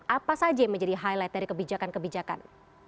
apa saja yang menjadi highlight dari kebijakan kebijakan